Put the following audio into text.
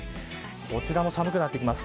こちらも寒くなってきます。